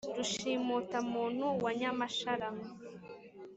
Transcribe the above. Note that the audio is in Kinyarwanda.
Rushimutamuntu rwa Nyamashara